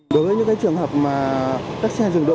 đối với những trường hợp mà các xe dừng đỗ